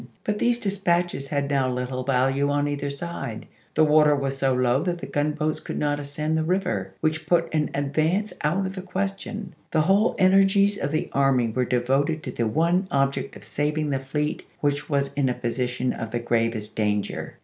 But these dispatches had now little value on either side ; the water was so low that the gunboats could not ascend the river, which put an advance out of the question; the whole energies of the army were devoted to the one object of saving the fleet which was in a posi tion of the gi avest danger.